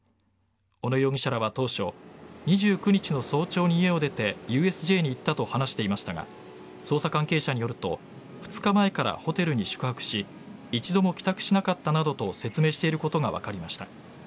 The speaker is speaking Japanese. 小野容疑者は当初、２９日の早朝に家を出てＵＳＪに行ったと話していましたが捜査関係者によると２日前からホテルに宿泊し一度も帰宅しなかったなどと説明していることが分かりました。